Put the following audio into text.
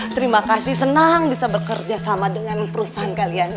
terima kasih senang bisa bekerja sama dengan perusahaan kalian